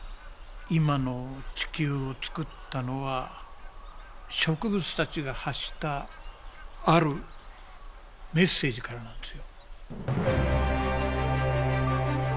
今の地球を作ったのは植物たちが発したあるメッセージからなんですよ。